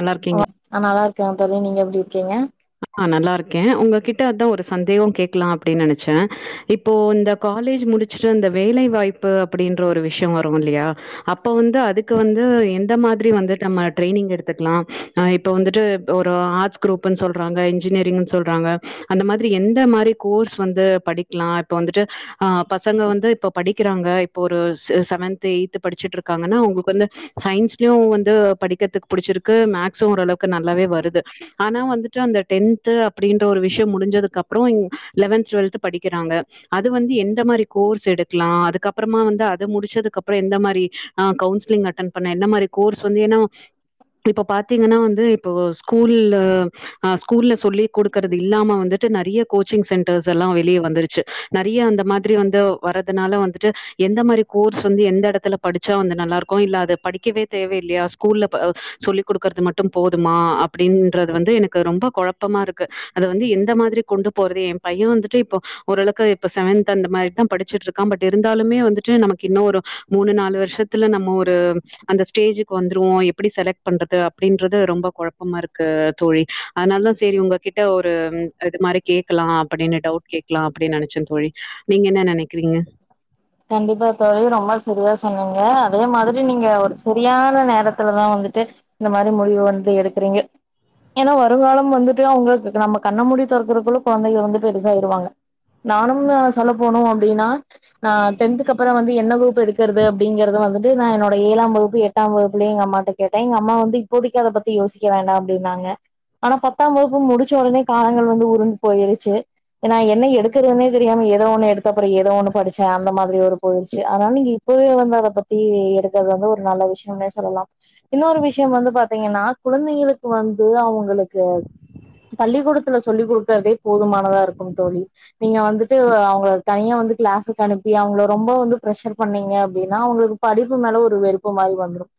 நல்லா இருக்கீங்களா? ம் நா நல்லா இருக் கே தோழி நீங்க எப்டி இர்க்கீங்க ஆ நல்லாருக்கேன். உங்ககிட்டந்து ஒரு சந்தேகோ கேட்க்லாம் அப்டின்னு நெனைச்சே. இப்போ இந்த காலேஜ் முடிச்ட்டு இந்த வேலை வாய்ப்பு அப்டின்ற ஒரு விஷ்யம் வருமில்லையா. அப்ப வந்து அதுக்கு வந்து எந்த மாதிரி வந்துட்டம்ம ட்ரைனிங் எடுத்துக்லாம். ஆ இப்ப வந்துட்டு ஒரு ஆர்ட்ஸ் க்ரூப்புன்னு சொ றாங்க, இஞ்சினியரிங் சொல்றாங்க. அந்த மாதிரி எந்த மாரி கோர்ஸ் வந்து படிக்கிலாம் இப்ப வந்துட்டு ஆ. பசங்க வந்து இப்ப படிக்கிறாங்க இப்பொரு சவன்த்து எய்ட்த்து படிச்சுற்றாக்காங்கனா அவங்களுக்கு வந்து சயின்ஸுலயு வந்து படிக்கதுப் புடிச்சுருக்கு மேக்ஸும் ஓரளவு நல்லாவே வருது. ஆனா வந்து. ட்டு. அந்த டென்த்து அப்டின்ற ஒரு விஷ்யம் முடுஞ்சதுக்கப்றோம் லெவன்த் டுவெல்த் படிக்கிறாங்க. அது வந்து எந்த மாரி கோர்ஸ் எடுக்லாம் அதுக்கப்பறமா வந்து அது முடுச்சதுக்கப்றம் எந்த மாதிரி ஆ கவுன்ஸ்லிங் அட்டன் பண்ண எந்த மாரி கோர்ஸ் வந்து ஏன்னா. இப்ப பாத்தீங்கனா வந்து இப்போ ஸ்கூல்ல ஆ ஸ்கூல்ல சொல்லி் கொடுக்கற்து இல்லாம வந்துட்டு நறைய கோச்சிங் சென்டர்ஸ் எல்லாம் வெளிய வந்துருச்சு. நிறைய அந்த மாத்ரி வந்து வறதுனால வந்துட்டு எந்த மாரி கோர்ஸ் வந்து எந்தெடத்துல படிச்சா வந்து நல்லாருக்கும். இல்ல அத படிக்கவே தேவயில்லையா ஸ்கூல்ல அ சொல்லிக் கொடுக்கற்து மட்டும் போதுமா அப்டின்றது வந்து எனக் க ரொம்ப கொழப்பமாருக்கு அத வந்து எந்த மாதிரி கொண்டு போறது. ஏன் பையனு வந்துட்டு இப்போ ஓரளவுக்கு இப்ப செவன்த் அந்த மாதிரி தா படிச்சுட்ருக்கான். பட் இருந்தாலுமே வந்துட்டு நமக்கு இன்னு ஒரு மூணு நாலு வர்ஷத்துல நம்ம ஒரு அந்த ஸ்டேஜுக்கு வந்துருவோம். அவே எப்படி செலக்ட் பண்றது அப்டின்றது ரொம்ப கொழப்பமாருக்கு தோழி. அத்னாலதா செரி உங்ககிட்ட ஒரு இது மாரி கேக்லாம் அப்டின்னு டவுட் கேக்லாம் அப்டின் நனைச்சென் தோழி. நீங்க என்ன நெனைக்கிறிங்க. கண்டிப்பா தோழி ரொம்ப சரியா சொன்னீங்க அதே மாதிரி நீங்க ஒரு செரியான நேரத்லதா வந்துட்டு இந்த மாரி முடிவு வந்து எடுக்றீங்க ஏனா வருங்காலம் வந்துட்டு அவுங்கள்க்கு நம்ம கண்ண மூடி தொறக்குறக்குள்ள கொழந்தைங்க வந்து பெருசாய்ருவாங்க நானும் சொல்ல போனும் அப்டினா நா டென்துக்கப்பறோ வந்து என்ன க்ரூப் எடுக்குறது அப்டிங்கெறது வந்துட்டு நா என்னோட ஏழாம் வகுப்பு எட்டாம் வகுப்புலயே எங்க அம்மாட்ட கேட்ட எங்க அம்மா வந்து இப்போதிக்கு அத பத்தி யோசிக்க வேண்டா அப்டின்னாங்க ஆனா பத்தாம் வகுப்பு முடிச்ச ஒடனே காலங்கள் வந்து உருண்டு பொயிருச்சு நா என்ன எடுக்குறதுனே தெரியாம ஏதோ ஒண்ணு எடுத்து அப்றொ ஏதோ ஒண்ணு படி சே அந்த மாதிரி ஒரு பொயிருச்சு அத்னால நீங்க இப்பவே வந்து அத பத்தி எடுக்குறது வந்து ஒரு நல்ல விஷ்யம்னே சொல்லலா இன்னொரு விஷ்யம் வந்து பாத்தீங்கனா குழந்தைங்களுக்கு வந்து அவ ங்களுக்கு பள்ளிக்கூடத்துல சொல்லி குடு க்கற்தே போதுமானது இருக்கும் தோழி நீங்க வந்துட்டு அவுங்கள தனியா வந்து க்ளாஸ் அனுப்பி அவுங்கள ரொம்போ வந்து ப்ரஷர் பண்ணீங்க அப்டின்னா அவுங்களுக்கு படிப்பு மேல ஒரு வெறுப்பு மாரி வந்துரும்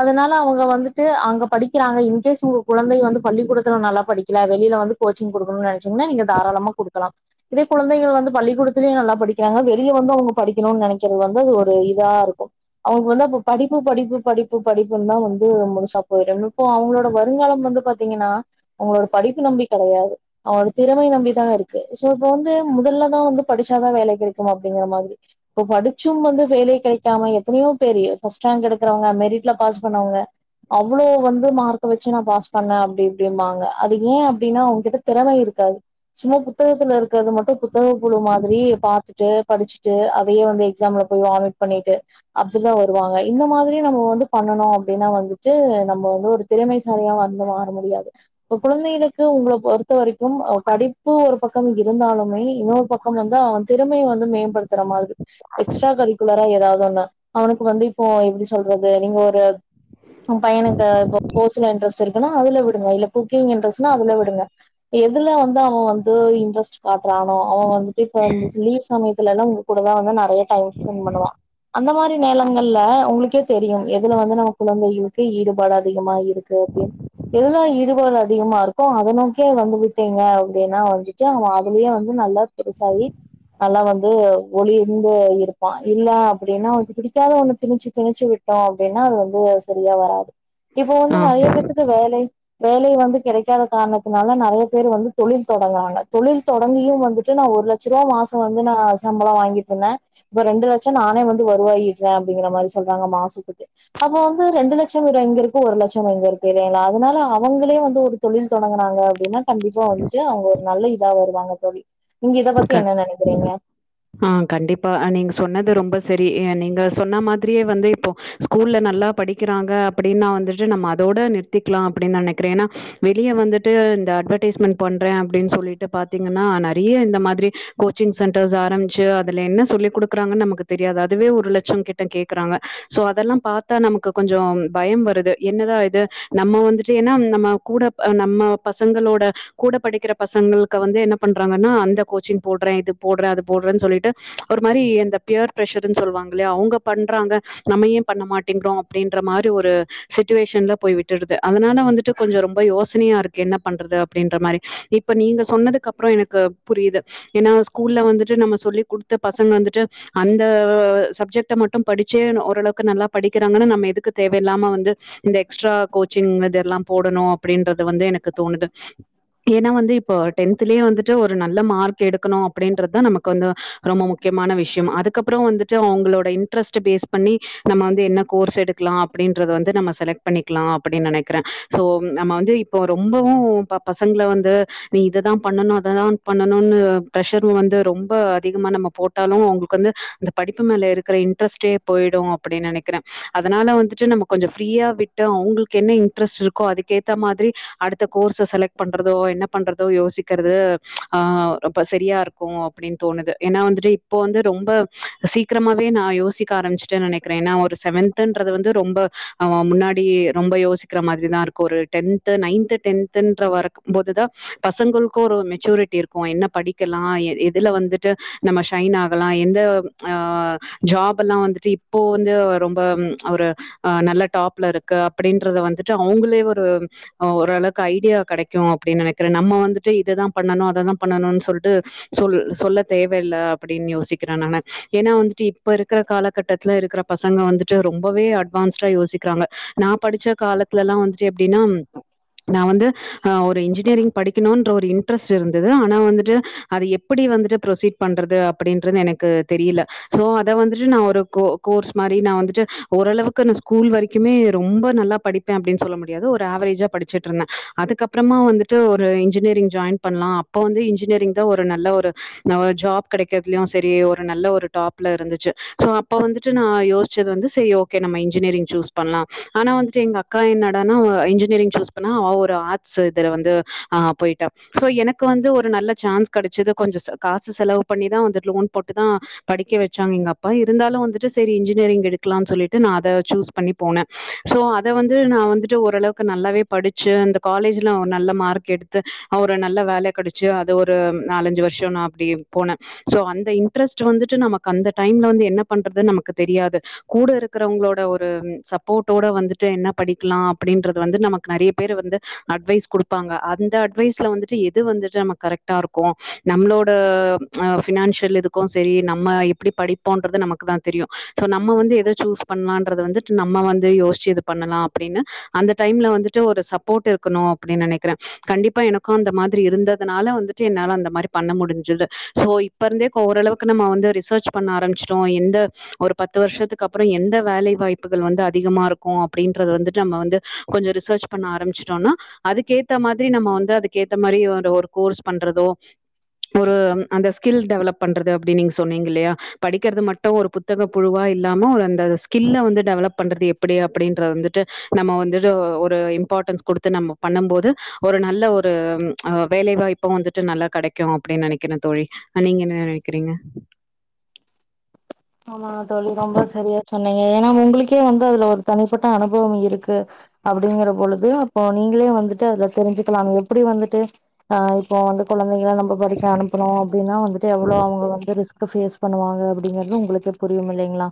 அதுனால அவங்க வந்துட்டு அங்க படிக்கிறாங்க இன்கேஸ் உங்க குழந்தை வந்து பள்ளிக்கூடத்துல நல்லா படிக்கில வெளில வந்து கோச்சிங் குடுக்கணூன் நெனச்சீங்கனா நீங்க தாராளமா குடுக்கலா இதே குழந்தைகள் வந்து பள்ளிக்கூடத்துலயு நல்லா படிக்கிறாங்க வீ இதையு வந்து அவங்க படிக்கணூன் நெனக்கிறது வந்து அது ஒரு இதா இருக்கு அவ்ங்க வந்து படிப்பு படிப்பு படிப்பு படிப்புன்தா வந்து முழுசா போய்டு இப்போ அவுங்களோட வருங்காலம் வந்து பா தீங்கனா அவுங்களோட படிப்பு நம்பி கெடையாது. அவுங் திறமய நம்பி தா இருக்கு சோ இப்ப வந்து முதல்லதா வந்து படுச்சாதா வேலை ஓ அப்டிங்கிற மாதிரி இப்போ படுச்சும் வந்து வேலை கெடைக்காம எத்தனையோ பேரு ஃபஸ்ட்ராங்க் எடுக்குறவங்க, மெரிட்ல பாஸ் பண்ணவங்க, அவ்ளோ வந்து மார்க்க வச்சு நா பாஸ் பண்ண அப்டிப்டிபாங்க. அது யேன் அப்டின்னா அவுங்கிட்ட தெறமை இருக்காது சும்மா புத்தகத்துல இருக்குறது மட்டும் புத்தக பொருள் மாதிரி பாத்து தே படுச்சிட்டு அதயே வந்து எக்ஸாம்ல போய் வாமிட் பண்ணிட்டு அப்டிதா வருவாங்க. இந்த மாதிரி நம்ம வந்து பண்ணனோம் அப்டின்னா வந்துட்டு நம்ம வந்து ஒரு திறமைசாலியா வந்து மாற முடியாது. கொழந்தைகளுக்கு உங்கள பொறுத்த வரைக்கும் படிப்பு ஒரு பக்கம் இருந்தாலுமே இன்னொரு பக்கம் வந்தா து திறமய வந்து மேம்படுத்துற மாதிரி எக்ஸ்ட்ரா கரிகுலரா ஏதாது ஒன்னு அவனுக்கு வந்து இப்போ எப்டி சொல்றது. நீங்க ஒரு பயனுக்கு ஸ்போஸ் இன்ட்ரஸ்ட் இருக்குனா அதுல விடுங்க. இல்ல குக்கிங் இன்ட்ரஸ்ட்னா அதுல விடுங்க. எதுல வந்து அவோ வந்து இன்ட்ரஸ்ட் காட்ரானோ அத வந் [unintelligible] சமயத்துல லா உங்க கூடதா வந்து நறைய டைம் ஸ்பெண்ட் பண்ணுவா. அந்த மாரி நேரங்கள்ல உங்களுக்கே தெரியும் எதுல வந்து நம்ம கொழந்தைகக்கு ஈடுபாடு அதிகமா இருக்கு அப்டினு எதுல ஈடுபாடு அதிகம்மா இருக்கோ அத நோக்கியே வந்து விட்டீங்க அப்டினா வந்துட்டு அவ அதுலயே வந்து நல்லா பெருசாயி நல்லா வந்து முகில்ல இருந்து இருப்பா இல்ல அப்படின்னா அவக்கு பிடிக்காத ஒண்ணு திணிச்சு திணிச்சு விட்டோம் அப்டின்னா அது வந்து செரியா வராது இப்போ வந்து ஆ நெறைய பேத்துக்கு வேலை வேலை வந்து கெடைக் கெடக்காத காரணத்துனால நெறைய பேரு வந்து தொழில் தொடங்குவாங்க தொழில் தொடங்கியும் வந்துட்டு நா ஒரு லட்சம் ரூபா மாஸ் இப்பவந்து நா சம்பளம் வாங்கிட்டு இருந்தேன் இப்ப ரெண்டு லட்சம் நானே வந்து வருவாய்ட்ருக்க அப்படிங்கிற மாரி சொல்றாங்க மாஸ்த்துக்கு அப்ப வந்து ரெண்டு லட்சோம் எங்க இருக்கு ஒரு லட்சம் எங்க இருக்கு இல்லைங்களா அதனால அவங்களே வந்து ஒரு தொழில் தொடங்கனாங்க அப்டின்னா கண்டிப்பா வந்துட்டு அவங்க ஒரு நல்ல இதாவ வருவாங்க தோழி நீங்க இத பத்தி கண்டிப்பா என்ன நனைக் ஆ கண்டிப்பா நீங்க சொன்னது ரொம்ப சரி நீங் க சொன்ன மாதிரியே வந்து இப்போ ஸ்கூல்ல நல்லா படிக்கிறாங்க அப்படின்னா வந்துட்டு நம்ம அதோட நிறுத்திக்கலாம் அப்படின் நனைக்கறேன்ன்னா வெளிய வந்துட்டு இந்த அட்வெடேஸ்மெண்ட் பண்றேன் அப்டின் சொல்லிட்டு பாத்தீங்கன்னா நறைய இந்த மாதிரி கோச்சிங் சென்டர்ஸ் ஆரம்பிச்சு அதுல என்ன சொல்லிக் கொடுக்கிறாங்கன் நமக்கு தெரியாது அதுவே ஒரு லட்சம் கிட்ட கேக்குறாங்க சோ அதெல்லாம் பாத்தா நமக்கு கொஞ்சோம் பயம் வருது என்னதா இது நம்ம வந்துட்டு ஏன்னா நம்ம கூட நம்ம பசங்களோட கூட படிக்கிற பசங்களுக்கு வந்து என்ன பண்றாங்கன்னா அந்த கோச்சிங் போட்றேன் இது போட்றேன் அது போட்றேன் சொல்லிட்டு ஒரு மாரி எந்த பியர் பிரஷர்ன்னு சொல்லு வாங்கலயா அவுங்க பண்றாங்க நம்ம ஏன் பண்ண மாட்டேங்கிறோம் அப்படின்ற மாரி ஒரு சிச்சுவேஷன்ல போய் விட்டுடுது அதனால வந்துட்டு கொஞ்சோ ரொம்ப யோசனையா இருக்கு என்ன பண்றது அப்டின்ற மாரி இப்ப நீங்க சொன்னதுக்கு அப்றோம் எனக்கு புரியுது ஏன்னா ஸ்கூல்ல வந்துட்டு நம்ம சொல்லி குடுத்த பசங்க வந்துட்டு அந்த சப்ஜெக்ட்ட மட்டும் படிச்சே ஓரளவுக்கு நல்லா படிக்கிறாங்கன்னா நம்ம எதுக்கு தேவயில்லாம வந்து இந்த எக்ஸ்ட்ரா கோச்சிங் இதெல்லாம் போடணும் அப்படின்றது வந்து எனக்கு தோணுது ஏன்னா வந்து இப்ப டென்தலயே வந்துட்டு ஒரு ஒரு நல்ல மார்க் எடுக்கணும் அப்படின்றதா நமக்கு வந்து ரொம்ப முக்கியமான விஷ்யோம் அதுக்கப்புறோம் வந்துட்டு அவ்ங்களோட இன்ட்ரஸ்ட் பேஸ் பண்ணி நம்ம வந்து என்ன கோர்ஸ் எடுக்லாம் அப்டின்றத வந்து நம்ம செலக்ட் பண்ணிக்கலாம் அப்படின் நனைக்கறேன் சோ நாம வந்து இப்ப ரொம்பவும் பா பசங்கள வந்து நீ இதுதான் பண்ணணும் அதத்தான் பண்ணனூனு ப்ரஷரு வந்து ரொம்ப அதிகமா நம்ம போட்டாலு அவ்ங்களுக்கு வந்து அந்த படிப் பு மேல இருக்குற இன்ட்ரெஸ்ட்டே போய்டு அப்டின் நெனக்கிற அதனால வந்துட்டு நம்ம கொஞ்ச ஃப்ரீயா விட்டு அவ்ங்களுக்கு என்ன இன்ட்ரெஸ்ட் இருக்கோ அதுக்கேத்தா மாதிரி அடுத்த கோர்ஸ செலக்ட் பண்றதோ என்ன பண்றதோ யோசிக்கெறது தா ரொம்ப சரியா இருக்கு அப்டின் தோணுது ஏன்னா வந்துட்டு இப்போ வந்து ரொம்ப சீக்கிரமாவே நா யோசிக்க ஆரம்பிச்சிட்டேன் நெனக்கிற ஏன்னா ஒரு செவன்த்துன்றது வந்து ரொம்ப அவ முன்னாடி ரொம்ப யோசிக்கிற மாத்ரிதா இருக்கு ஒரு டென்த்து நைன்த்து டென்த்துன்ற வரும்போதுதா பசங்களுக்கு ஒரு மெ ச்சூரிட்டி இருக்கு என்ன படிக்கலா எ எதுல வந்துட்டு நம்ம ஷைன் ஆகலா எந்த ஆ ஜாப் எல்லா வந்துட்டு இப்போ வந்து ரொம்ப ஒரு ஆ நல்ல டாப்ல இருக்க அப்டின்றத வந்துட்டு அவுங்களே ஒரு அ ஓரளவுக்கு ஐடியா கெடைக்கு அப்டின் நெனக்கிற நம்ம வந்துட்டு இதுதா பண்ணனு அததா பண்ணனூன் சொல்ட்டு சொல் சொல்ல தேவ இல்ல அப்டின் யோசிக்கிற நானு ஏன்னா வந்துட்டு இப்ப இருக்குற காலகட்டத்துல இருக்குற பசங்க வந்துட்டு ரொம்பவே அட்வான்ஸ்டா யோசிக்கிறாங்க நா படிச்ச காலத்துலல்லா வந்துட்டு எப்டின்னா நா வந்து ஆ ஒரு இன்ஜினியரிங் படிக்கணூன்ற ஒரு இன் ட்ரெஸ்ட் இருந்துது ஆனா வந்துட்டு அது எப்டி வந்துட்டு ப்ரொசீட் பண்றது அப்டின்றது எனக்கு தெரியில சோ அத வந்துட்டு நா ஒரு கோ கோர்ஸ் மாரி நா வந்துட்டு ஓரளவுக்கு நா ஸ்கூல் வரைக்குமே ரொம்ப நல்லா படிப்பே அப்டின் சொல்ல முடியாது ஒரு ஆவரேஜா படிச்சுட்ருந்த அதுக்கப்றமா வந்துட்டு ஒரு இன்ஜினியரிங் ஜாயின் பண்லா அப் போ வந்து இன்ஜினியரிங்தா ஒரு நல்ல ஒரு ந ஒ ஜாப் கெடைக்கிறத்லையு செரி ஒரு நல்ல ஒரு டாப் ல இருந்துச்சு சோ அப்ப வந்துட்டு நா யோஷ்ச்சது வந்து செரி ஓகே நம்ம இன்ஜினியரிங் சூஸ் பண்லா ஆனா வந்துட்டு எங்க அக்கா என்னடானா இன்ஜினியரிங் சூஸ் பண்ணா அவ ஒரு ஆட்ஸ் இதுல வந்து ஆ போய்ட்டா சோ எனக்கு வந்து ஒரு நல்ல சான்ஸ் கெடச்சுது கொஞ்சொ ச காசு செலவு பண்ணிதா வந்து லோன் போட்டுதா படிக்க வெச்சாங்க எங்க அப்பா இருந்தாலு வந்துட்டு செரி இன்ஜினியரிங் எடுக்லான் சொல்லிட்டு நா அத சூஸ் பண்ணி போன சோ அத வந்து நா வந்துட்டு ஓரளவுக்கு நல்லாவே படிச்சு இந்த காலேஜ்ல நல்ல மார்க் எடுத்து நா ஒரு நல்ல வேல கெடச்சு அத ஒரு நாலஞ்சு வர்ஷொ நா அப்டே போன சோ அந்த இன் ட்ரஸ்ட் வந்துட்டு நமக்கு அந்த டைம்ல வந்து என்ன பண்றதுன் நமக்கு தெரியாது கூட இருக்குறவங்களோட ஒரு சப்போட்டோட வந்துட்டு என்ன படிக்லா அப்டின்றது வந்து நமக்கு நறைய பேரு வந்து அட்வைஸ் குடுப்பாங்க அந்த அட் வைஸ்ல வந்துட்டு எது வந்துட்டு நமக் கரெக்ட்டா இருக்கு நம்ளோட ஆ ஃபினான்ஷியல் இதுக்கு செரி நம்ம எப்டி படிப்போன்றது நமக்குதா தெரியு சோ நம்ம வந்து எத சூஸ் பண்லான்றத வந்துட்டு நம்ம வந்து யோசிச்சி இது பண்ணலா அப்டின்னு அந்த டைம்ல வந்துட்டு ஒரு சப்போட் இருக்கணு அப்டின் நெனக்கிற கண்டிப் இப்பஎனக்கும் அந்த மாதிரி இருந்ததுனால வந்துட்டு என்னால அந்த மாதிரி பண்ண முடிஞ்சது சோ இப்ப இருந்தே ஓரளவுக்கு நம்ம வந்து சர்ச் பண்ண ஆரம்பிச்சோ எந்த ஒரு பத்து வருஷத்துக்கு அப்புறம் எந்த வேலை வாய்ப்புகள் வந்து அதிகமா இருக்கும் அப்படின்றது வந்துட்டு நம்ம வந்து கொஞ்சம் ரி ரிசர்ச் பண்ண ஆரம்பிச்சிட்டோம்னா அதுக்கேத்த மாதிரி நம்ம வந்து அதுக்கு எத மாதிரி ஒரு கோர்ஷ் பண்ணுறதோ ஒரு அந்த ஸ்கில் டெவலப் பண்ணுறது அப்படி நீங்க சொன்னேகல்லயா படிக்கிறது மட்டும் புத்தக புழுவ இல்லாம அந்த ஸ்கில்ல வந்து டெவலப் பண்ணுறது எப்படி அப்படி வந்துட்டு நம்ம வந்துட்டு ஒரு இம்போர்ட்டான்சு கொடுத்து நம்ம பண்ண போது ஒரு நல்ல ஒரு ஒருஹ் வேலை வாய்ப்பு இப்ப வந்துட்டு நல்லா கிடைக்கும் அப்படின்னு நினைக்கிறேன் தோழி் நீங்க என்ன நினைக்கிறீங்க ஆமா தோழி ரொம்ப சரியா சொன் ஏன்னா உங்களுக்கே வந்து அதுல ஒரு தனிப்பட்ட அனுபவம் இருக்கு அப்படிங்கற பொழுது அப்போ நீங்களே வந்துட்டு அதுல தெரிஞ்சுக்கலாம் எப்படி வந்துட்டு இப்போ வந்து குழந்தை நம்ப படிக்க அனுப்பணும் அப்படின்னா வந்துட்டு எவ்வளவு வந்து ரிஸ்க்கஸ் பேசு பண்ணுவாங்க அப்படிங்கறது உங்களுக்கே புரியும் இல்லைங்களா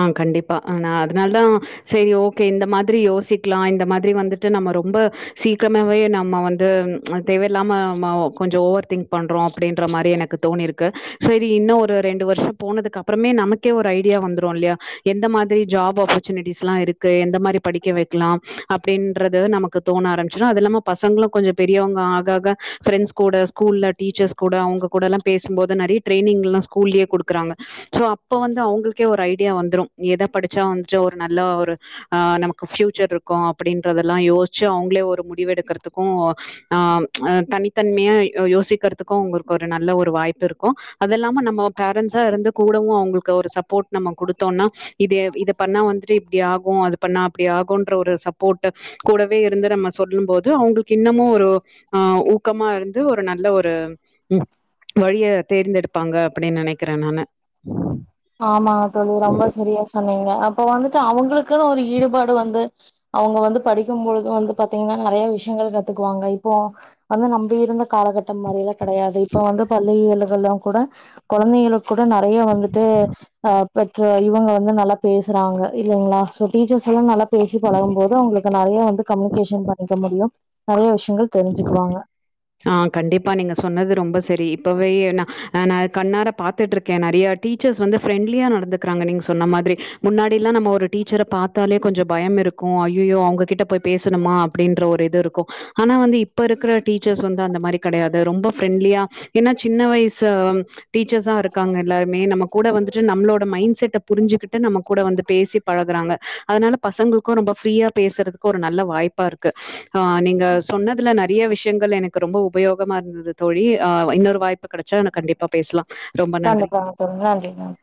ஆஹ் கண்டிப்பா நா அதனால தான் சரி ஓகே இந்த மாதிரி யோசிக்கலாம் இந்த மாதிரி வந்துட்டு நம்ம ரொம்ப சீக்கிரமாவே நம்ம வந்து தேவையில்லாம கொஞ்சம் ஓவர் திங்க் பண்றோம் அப்படின்ற மாதிரி எனக்கு தோணி இருக்கு சரி இன்னும் ஒரு ரெண்டு வருஷம் போனதுக்கு அப்புறமே நமக்கே ஒரு ஐ டியே வந்துரும் இல்லையா எந்த மாதிரி ஜாப் ஆப்பர்சூனிட்டீஸ்ல இருக்கு எந்த மாதிரி படிக்க வைக்கலாம் அப்படின்றது நமக்கு தோண ஆரம்பிச்சுருவோம் அது இல்லாம பசங்களும் கொஞ்சம் பெரியவங்க ஆக ஆக ஃப்ரெண்ட்ஸ் கூட ஸ்கூல்ல டீச்சர்ஸ் கூட அவங்க கூட இல்ல பேசும்போது நிறைய ட்ரைனிங்க எல்லாம் ஸ்கூல்லையே கொடுக்கிறாங்க சோ அப்ப வந்து அவங்களுக்கு கேஒரு ஐடியா வந்துரும் எத படிச்சா வந்து ஒரு நல்ல ஒரு நமக்கு ஃபியூச்சர் இருக்கும் அப்படின்றதெல்லாம் யோசிச்சு அவங்களே ஒரு முடிவு எடுக்கிறதுக்கும் தனித்தன்மையா யோசிக்கிறதுக்கும் அவங்களுக்கு ஒரு நல்ல ஒரு வாய்ப்பு இருக்கும் அது இல்லாம நம்ம பேரன்ஸ் இருந்து கூடவும் அவங்களுக்கு ஒரு சப்போர்ட் நம்ம குடுத்தோம்னா இத இத பண்ணா வந்துட்டு இப்படி ஆகும் அது பண்ணா அப்படி ஆகும் ஒரு சப்போர்ட் கூடவே இருந்து நம்ம சொல்லும் போது அவங்களுக்கு இன்னமும் ஒரு ஆஹ் ஊக்கமா இருந்து ஒரு நல்ல ஒரு வழிய தேர்ந்தெடுப்பாங்க அப்படின்னு நினைக்கிறேன் நானு ஆமா ரொம்ப சரியா சொன்னீங்க அப்ப வந்துட்டு அவங்களுக்குன்னு ஒரு ஈடுபாடு வந்து அவுங்க வந்து படிக்கும்பொழுது வந்து பாத்தீங்கின்னா நெறைய விஷயங்கள் கத்துக்குவாங்க இப்போ வந்து நம்பு இருந்த காலகட்டம் மாரியெல்லாம் கெடையாது இப்ப வந்து பள்ளி எல்லுகளா கூட கொழந்திகளுக் த்து அஹா பெற்ற இவுங்க வந்து நல்லா பேசுறாங்க இல்லைங்குளா சோ டீச்சர்ஸ் எல்லா நல்லாப் பேசி பழகும் போது அவுங்களுக் ந்த நெறியா வந்து கம்யூனிகேஷன் பண்ணிக்க முடியும் நெறைய விஷ் ஆஹா கண்டிப்பா நீங்க சொன்னது ரொம்பஸ் சேரி இப்பவே என ஹ நா கண்ணார பாத்துட்டு இருக்கே நெறைய டீச்சர்ஸ் வந்து ஃப்ரெண்ட்லியா நடந்துக்குறாங்க நீங்க சொன்ன மாதிரி முன்னாடி எல்லா நம்ம ஒரு டீச்சர பாத்தாலே கொஞ்ச பயம் இருக்கும் ஐயியோ அவுங்ககிட்ட போய் பேசுணுமா அப்டின்ற ஒரு இது இருக்கு ஆனா வந்து இப்ப இருக்கிற டீச்சர்ஸ் வந்து அந்த மாரி கெடையாது ரொம்ப ஃப்ரெண்ட்லியா ஏன்னா சின்ன வயசு டீச்சர்ஸா இருக்காங்க எல்லாருமே நம்ம கூட வந்துட்டு நம்மளோட மைண்ட் செட் புரிஞ்சுக்கிட்டு நம்ம கூட வந்துட் பேசி பழகுறாங்க அதுனால பசங்களுக்கும் ரொம்ப ஃப்ரீயா பேசுறதுக்கு ஒரு நல்ல வாய்ப்பா இருக்கு ஆஹா நீங்க அதுல நெறியா விஷயங்கள் எனக்கு ரொம்ப உபயோகமா இருந்தது தோழி அஹா இன்னொரு வாய்ப்பு கெடைச்சா கண்டிப்பா பேசுலா கண்டிப்பாங் தோழி நன்றி நன்றி